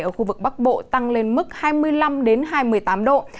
ở khu vực bắc bộ tăng lên mức hai mươi năm hai mươi tám độ